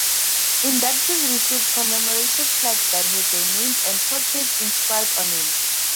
Inductees received commemorative plaques that had their names and portraits inscribed on it.